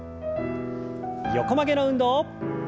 横曲げの運動。